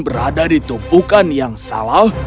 berada di tumpukan yang salah